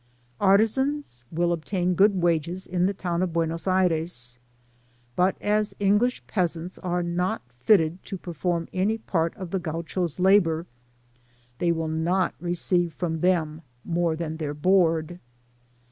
Artisans will obtain good wages in the town of Buenos Aires ; but as English peasants are not fitted to perform any part of the Gaucho's labour, they will not receive from them more than their board.